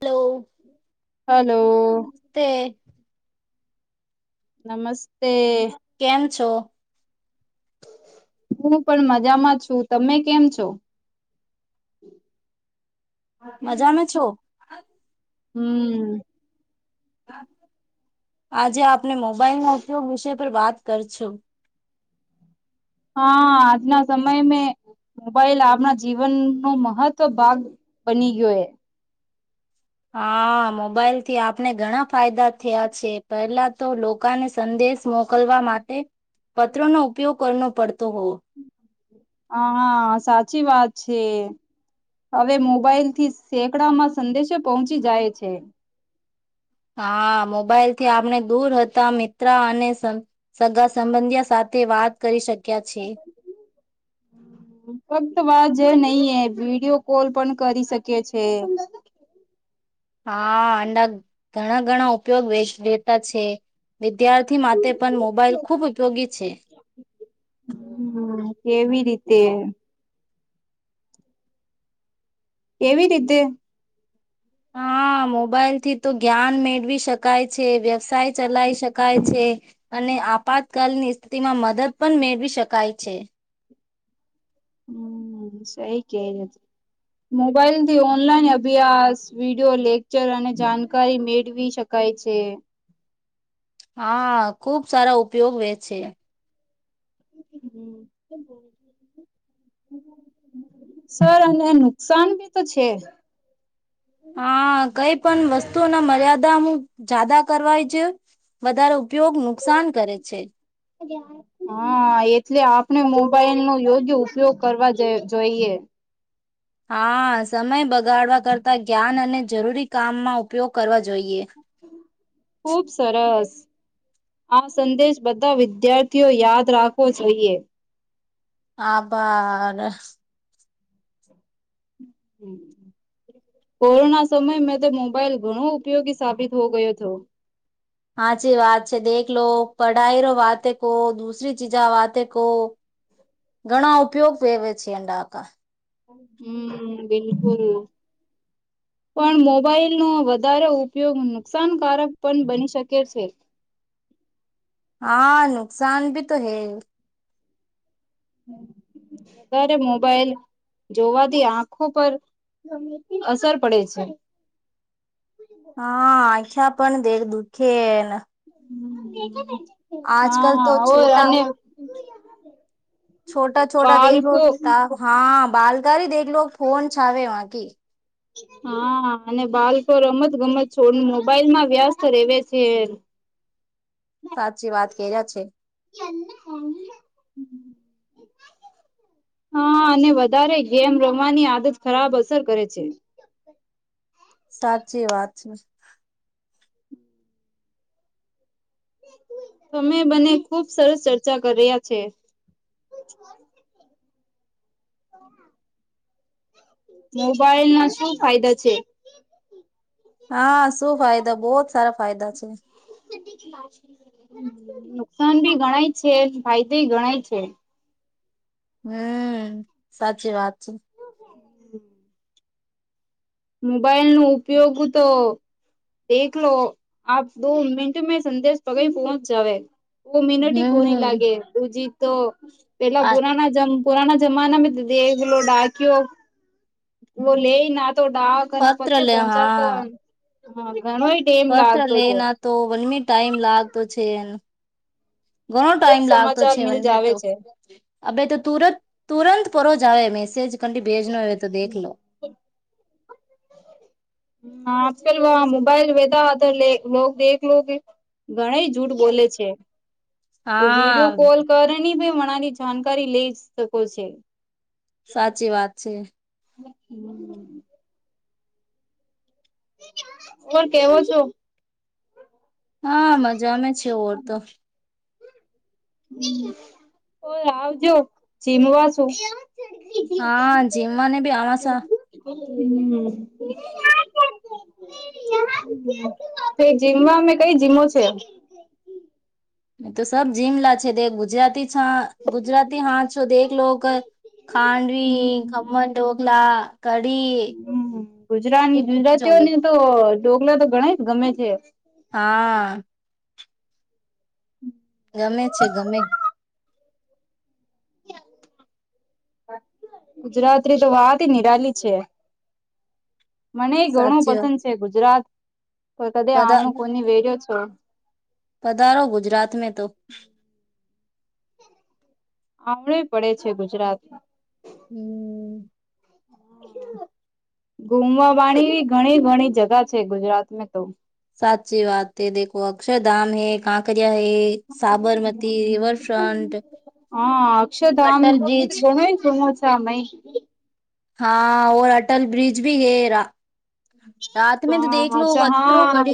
Hello. Hello. તે નમસ્તે. કેમ છો. હું પણ મજામાં છું, તમે કેમ છો? મજામાં છો? હમ. આજે આપને મોબાાઈલના ઉપયોગ વિષય પર વાત કર છો હા આજના સમય મે મોબાઈલ આપણા જીવનનો મહત્વ ભાગ બની ગયો એ હા મોબાઈલ થી આપણે ઘણા ફાયદા થયા છે, પેલા તો લોકાને સંદે દેશ મોકલવા માટે પત્રોનો ઉપયોગ કરનો પડતો હોવો હા સાચી વાત છે. હવે મોબાાઈલથી સેંકડામાં સંદેશો પહોંચી જાય છે. હા મોબાઈલથી આપણે દૂર હતા મિત્ર અને સ સગા સંબંધિયા સા થે વાત કરી શ ફક્ત વાજ નહી એ વિડીયો કોલ પણ કરી શકે છે. હા અડા ઘણા ઘણા ઉપયોગ વેચ ડેતા છે. વિદ્યાર્થી માટે પણ મોબાાઈલ ખૂબ ઉપયોગી છે. હમ કેવી રીતે? એવી રીતે હા. હા મોબાઈલ થી તો જ્ઞાન મેળવી શકાય છે, વ્યવસાય ચલાવી શકાય છે, અ ને આપાતકાલીન સ્થિતિમાં મદદ પણ મેળવી શકાય છે. હમ સેઈ કેનેજ મોબાઈલથી ઓનલાઈન અભ્યાસ વિડીયો લેકચર અને જાણકારી મેળવી શકા કાય છે. હા ખુબ સારા ઉપયોગ વે છે. [unintelligible] સર અને નુકસાન ભીતો છે. હા કઈ પણ વસ્તુઓ ના મર્યાદા હું જાદા કરવાય જયુ વધારે ઉપયોગ નુકસાન કરે છે. હા એટલે આપણે મોબાઈલ નું યોગ્ય ઉપયોગ કરવા જા જોઈએ હા સમય બગાડવા કરતા જ્ઞાન અને જરૂરી કામમાં ઉપયોગ કરવા જોઈએ ખુબ સરસ આ સંદેશ બધા વિદ્યાર્થીઓ યાદ રાખવો જોઈએ આભાર. કોરોના સમય મે તો મોબાઈલ ઘણો ઉપયોગી સાબિત હો ગયો હતો હાચી વાત છે, દેખ લો પઢાઈ રો વાતે કો દુસરી ચીજા વાતે કો ઘણા ઉપયોગ વવે છે, ડાકા હમ બિલકુલ [inaudible] પણ મોબાઈલનો વધારે ઉપયોગ નુકસાનકારક પણ બની શકે છે. હા નુકસાન ભી તો હે અરે મોબાઈલ જોવાથી આંખો પર અસર પડે છે. હા આખાયા પણ દેખ દુઃખેને હમ આજ કલ તો છોટા હ. છોટા છોટા દેવ બાલકો હા બાલકી દેખલો લો ફોન છાવે વાંકી. હા, અને બાળકો રમત ગમત છોડને મોબાઈલમાં વ્યાસ્ત રેવે છે. સાચી વાત કે જ છે [unintelligible] હા, અને વધારે ગેમ રમવાની આદત ખરાબ અસર કરે છે. સાચી વાત છે. તમે બને ખુબ સરસ ચર્ચા કર્યા છે. [unintelligible] [inaudible] મોબાઈલ ના શું ફાયદા છે? હા શું ફાયદા બહુત સારા ફાયદા છે. નુકસાન ભી ગણાય છે ફાયદો ગણાય છે હમ સાચી વાત છે [inaudible] મોબાઈલ ન ઉપયોગ તો દેખલો લો આપ દો મિનિટ મે સંદેશ પગ પહોંચ જવે ઓ મિનટ કોની હમ લાગે બુજી તો પેલા પુરાના જમ પુરાણા જમાના મે તો દેલો ડાક્યો લે ના. તો ડાક અને પત્ર પછી લે પહોંચા તો હા હા ઘણોય ટેમ પત્ર લાગતો લે છે ના તો વનમી ટાઈમ લાગતો છે. એ ઘણો ટાઈમ તુરંત લાગતો સમાચાર છેવ મિલ જાવે તો છે આભતો તુર તુરત પરોજ આવે મેસેજ ક ભેજ ન આવે તો દલો હ આજ કલ મોબાઈલ બેેધા આ હતા દે લો ઘણ જૂઠ બોલે છે. તો હા વિડીયો કોલ કરે ભ ની જાણકારી લઈ શકો છે. સાચી વાત છે. [unintelligible] ઓર કેવો છો હા મજામાં છે ઓર તો આવજો જીમવા છો હા જીમવાને બી આમાંસા [unintelligible] જીમમાં અમે કઈ જીમો છે. એ તો સબ જીમલા છે ગુજરાતી છા ગુજરાતી હા છો દેલો ખાંડવી ખ્મન ઢોકલા કડી ગુજરા ગુજરાતીઓને તો ડોકલા તો ગણ જ ગમે છે. હા ગમે છે ગમે ગુજરાત તો વાતી નીરાલી છે મને ઘણું સાચી વાત પસંદ છે ગુજરાત પણ કદી પધા આમણું કોની વેર્યો છે પધારો ગુજરાત મે તો આવડે પડે છે ગુજરાત હમ ઘુમવા વાળી ઘણી ઘણી જગા છે ગુજરાત તો સાચી વાત છે દખો અક્ષર ધામ હૈ કાં ક હા અક્ષરધામ હ જોમો છા મૈં હા ઓર અટલ બ્રિજ ભી હએરા હા અચ્છા હા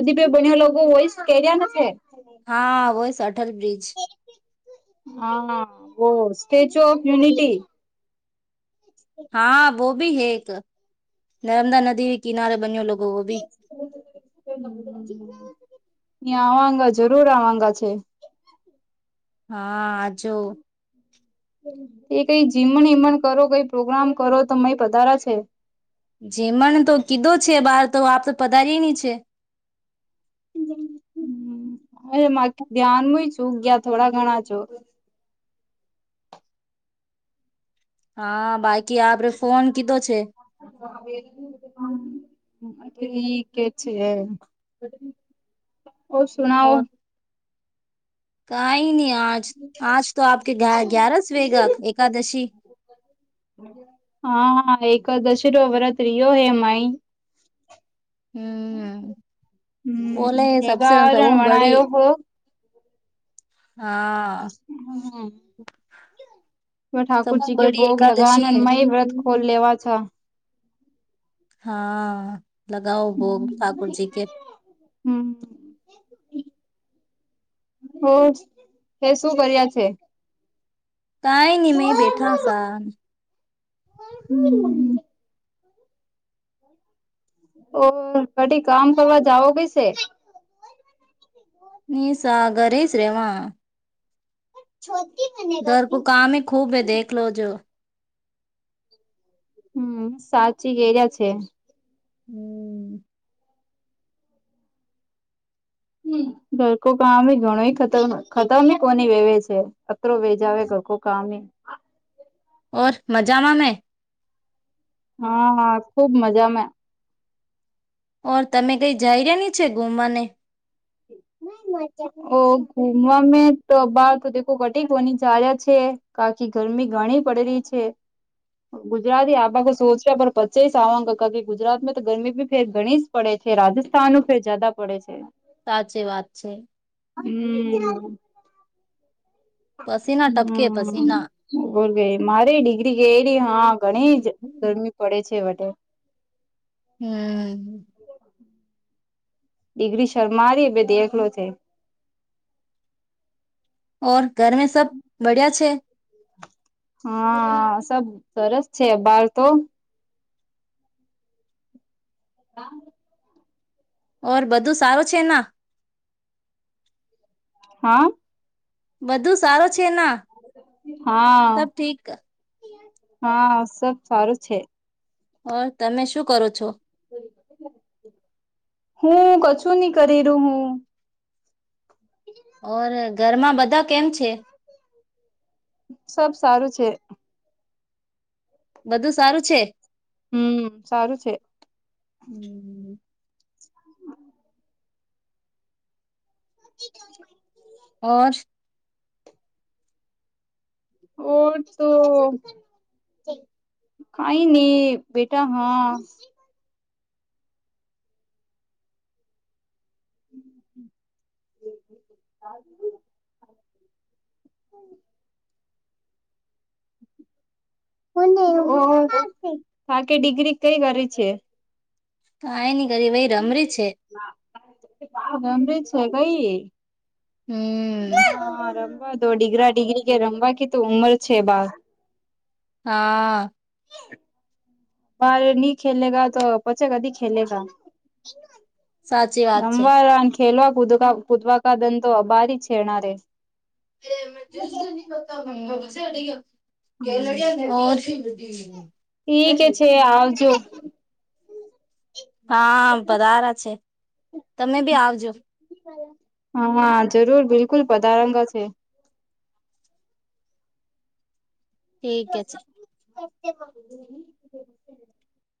નદી પે બનેલો વોઇસ કેર્યા નથે હા હોય છે અટલ બ્રિજ હા ઓ સ્ટેચ્યુ ઓફ યુનિટી હા વો ભી હૈ એક નર્મદા નદી કિનારે બન્યો લોક [inaudible] ન્યાં આવાંગા જરૂર આવાંગા છે હા આજો એ કઈ જીમણ હમણ કરો કઈ પ્રોગ્રામ કરો તો મઈ પધારા છે જેમણ તો કીધો છે બાર તો આપ તો પધારી ની છે [inaudible] હ ધ્યાનમાં છું ગયા થોડા ઘણા છો હા બાકી આપરે ફોન કીધો છે કે છે ઓ સૂનાવો કઈ ની આજ આજ તો આપકે ગ્યારસ વેગા એકાદશી હા એક દશેરો વરત રિયો હે માઈ હમ હમ સેવારણ ગણાયો હો હા ઠાકુરજી કે ભોગ લગા મય વ્રત ખોલ લેવા છા હા લગાઓ ભોગ ઠાકોરજીી કે હ એ શું કર્યા છે કાઈ નહી મેં બેઠા સા હ હ હ ઓ કઢી કામ કરવા જાઓ કૈસે ની સાગરે શ રેમાં છો ઘર કો કામી ખૂબ હે દેખ લો જો હમ સાચી એરિયા છે હમ ઘરકો કામ ઘણો ખતર ખતર કોની વેવે છે અત્ર વેજાવે કો કામી ઔર મજામાં ને હા ખુબ મજામાં ઓર તમે કઈ જઈ રહ્યા નીચે ગુમવાને ઓ ઘુમવા મે તો બાર તો ઘટીની ચ્યા છે કાકી ગરમી ઘણી પડેલી છે ગુજરાતી આ બાાખ શો છે પણ પચીસ આવવા ગુજરાતમાં તો ગરમી બી ફેર ઘણી જ પડે છે રાજસ્થાન ઉપે જાદા પડે છે સાચે વાત છે હમ પશી હમ બોલ મારે ડિગ્રી ગલી હા ઘણી ગરમી પડે છે વ તો હમ ડિગ્રી શર્ મારીએ બે દેખલો તે ઓર ઘર મે સબ બડિયા છે હા, સબ સરસ છે બાર તો. હા. ઓર બધું સારું છે ના? હા? બધું સારો છે ના? હા સબ ઠીક? હા સબ સારું છે. હ તમે શું કરો છો? હું કછું ની કરીરુ હું. ઓર ઘરમાં બધા કેમ છે? સબ સારું છે. બધું સારું છે. હમ્મ, સારું છે. હમ્મ હમ્મ. હમ [unintelligible] ઓર ઓડ તો કઈ નઈ, બેટા હ. [inaudible] હમ્મ. બાકી ડિગ્રી કઈ વારી છે? તો આય ની કરી ભઈ રમરી છે. સો કઈ, હમ હા રમબા તો ડિગ્રા ડિગ્રી કે રમવા કી તું ઉંમર છે બા હા. બાર ની ખેલેગા તો પછે કદી ખેલેગ સાચી વાત છે. ખેલવા પુદુકા પુદવાકા દંતો અભારી છેના રે [unintelligible] એમ ઠીક કે છે આવજો. હા વધારા છે. તમે બી આવજો. હા, જરૂર બિલકુલ પધારંગ છે. ઠીક છે. [inaudible]